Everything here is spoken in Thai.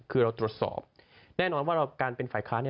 คือเราตรวจสอบแน่นอนว่าการเป็นฝ่ายค้าน